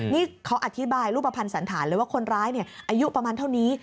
นี่เขาอธิบายรูปภัณฑ์สันธารเลยว่าคนร้ายอายุประมาณเท่านี้